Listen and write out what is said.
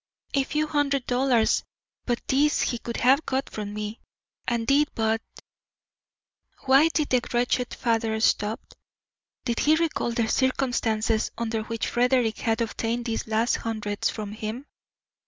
A few hundred dollars but these he could have got from me, and did, but " Why did the wretched father stop? Did he recall the circumstances under which Frederick had obtained these last hundreds from him?